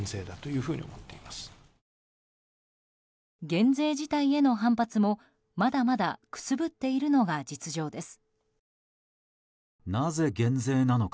減税自体への反発も、まだまだくすぶっているのが実情です。